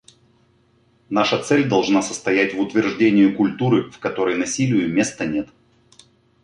Наша цель должна состоять в утверждении культуры, в которой насилию места нет.